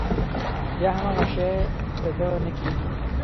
بيا هم هغه شی د ده نه کېږي.